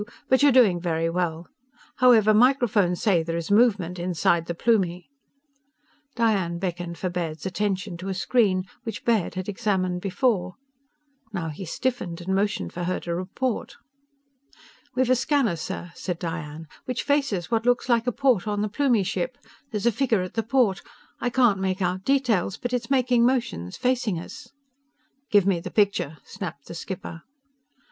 But you are doing very well. However, microphones say there is movement inside the Plumie._" Diane beckoned for Baird's attention to a screen, which Baird had examined before. Now he stiffened and motioned for her to report. "We've a scanner, sir," said Diane, "which faces what looks like a port in the Plumie ship. There's a figure at the port. I can't make out details, but it is making motions, facing us." "Give me the picture!" snapped the skipper.